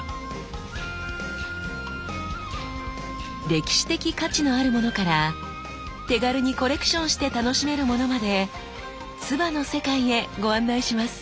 歴史的価値のあるものから手軽にコレクションして楽しめるものまで鐔の世界へご案内します。